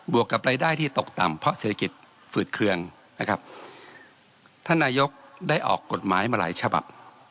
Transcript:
วกกับรายได้ที่ตกต่ำเพราะเศรษฐกิจฝืดเคืองนะครับท่านนายกได้ออกกฎหมายมาหลายฉบับ